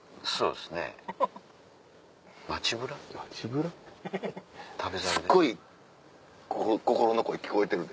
すっごい心の声聞こえてるで。